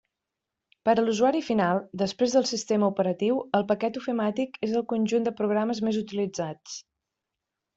Per a l'usuari final, després del sistema operatiu, el paquet ofimàtic és el conjunt de programes més utilitzats.